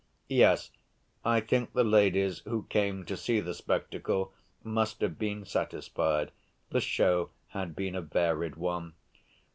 Yes, I think the ladies who came to see the spectacle must have been satisfied—the show had been a varied one.